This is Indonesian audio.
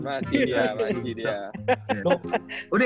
masih dia masih dia